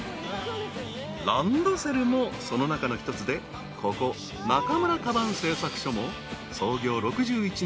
［ランドセルもその中の一つでここ中村鞄製作所も創業６１年となる］